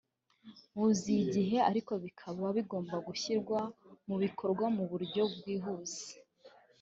buziye igihe ariko bikaba bigomba gushyirwa mu bikorwa mu buryo bwihuse